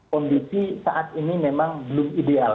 kondisi saat ini memang belum ideal